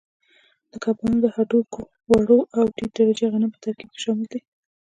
د کبانو د هډوکو اوړه او ټیټ درجې غنم په ترکیب کې شامل دي.